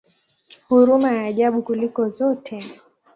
Huruma ya ajabu kuliko zote!